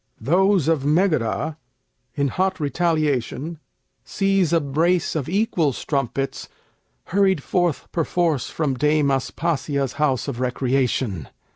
Those of Megara, In hot retaliation, seize a brace Of equal strumpets, hurried forth perforce From Dame Aspasia's house of recreation.